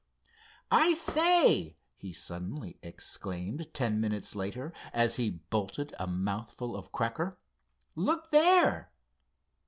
"I say," he suddenly exclaimed, ten minutes later, as he bolted a mouthful of cracker—"look there!"